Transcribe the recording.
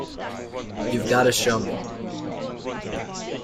You've got to show me.